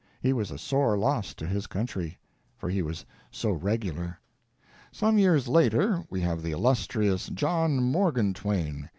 He was a sore loss to his country. For he was so regular. Some years later we have the illustrious John Morgan Twain.